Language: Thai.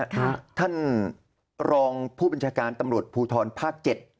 ท่านรองผู้บัญชาการตำรวจภูทรภาค๗